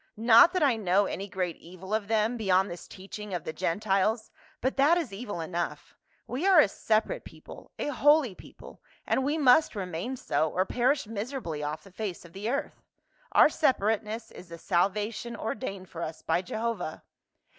Not that I know any great evil of them beyond this teaching of the Gentiles, but that is evil enough ; we are a separate people — a holy people, and we must remain so or perish miserably off the face of the earth. Our sepa rateness is the salvation ordained for us by Jehovah."